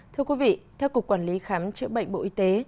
thưa quý vị theo cục quản lý khám chữa bệnh bộ y tế